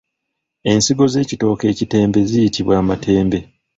Ensigo z’ekitooke ekitembe ziyitibwa amatembe.